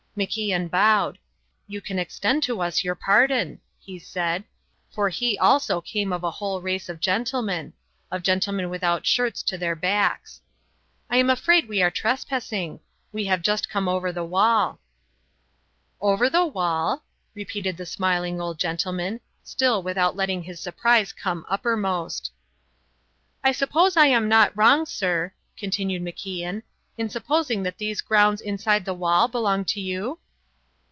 MacIan bowed. "You can extend to us your pardon," he said, for he also came of a whole race of gentlemen of gentlemen without shirts to their backs. "I am afraid we are trespassing. We have just come over the wall." "Over the wall?" repeated the smiling old gentleman, still without letting his surprise come uppermost. "I suppose I am not wrong, sir," continued MacIan, "in supposing that these grounds inside the wall belong to you?"